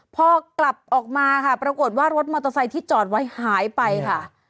พอกลับออกมาค่ะปรากฏว่ารถมอเตอร์ไซค์ที่จอดไว้หายไปค่ะ